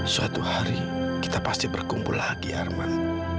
suatu hari kita pasti berkumpul lagi arman